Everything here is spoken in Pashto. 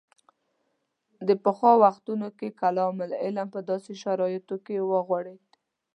د پخوا وختونو کې کلام علم په داسې شرایطو کې وغوړېد.